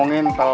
kau ngerti nggak